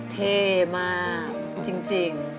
เท่มากจริง